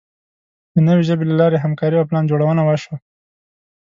د نوې ژبې له لارې همکاري او پلانجوړونه وشوه.